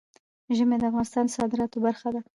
ژمی د افغانستان د صادراتو برخه ده.